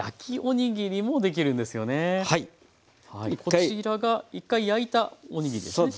こちらが１回焼いたおにぎりですね。